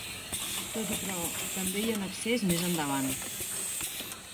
Tot i però, també hi ha un accés més endavant.